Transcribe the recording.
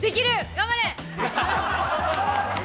頑張れ！